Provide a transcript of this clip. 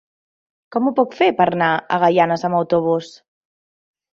Com ho puc fer per anar a Gaianes amb autobús?